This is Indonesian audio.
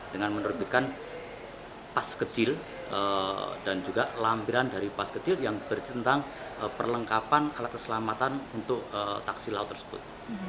dengan menerbitkan pas kecil dan juga lampiran dari pas kecil yang berisi tentang perlengkapan alat keselamatan untuk taksi laut tersebut